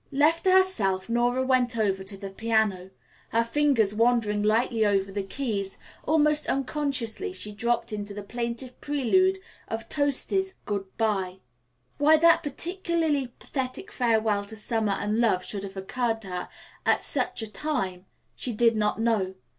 Left to herself, Nora went over to the piano. Her fingers wandering lightly over the keys, almost unconsciously she dropped into the plaintive prelude of Tosti's "Good bye." Why that particularly pathetic farewell to summer and love should have occurred to her at such a time she did not know.